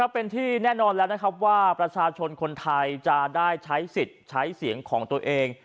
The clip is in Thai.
เป็นที่แน่นอนแล้วนะครับว่าประชาชนคนไทยจะได้ใช้สิทธิ์ใช้เสียงของตัวเอง